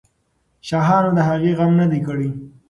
شاهانو د هغې غم نه دی کړی.